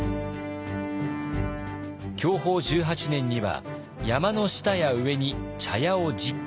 享保１８年には山の下や上に茶屋を１０軒。